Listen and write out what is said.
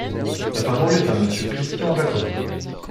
La parole est à Monsieur Christian Jacob.